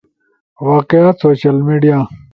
واقعات، سوشل میڈیا